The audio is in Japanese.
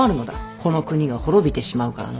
この国が滅びてしまうからの。